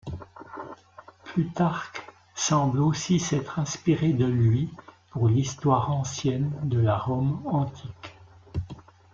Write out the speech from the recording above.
Plutarque semble aussi s'être inspiré de lui pour l'histoire ancienne de la Rome antique.